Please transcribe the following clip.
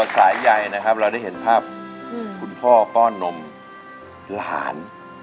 สายใยนะครับเราได้เห็นภาพคุณพ่อป้อนนมหลาน